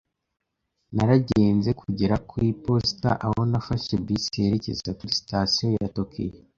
Naragenze kugera ku iposita, aho nafashe bisi yerekeza kuri Sitasiyo ya Tokiyo.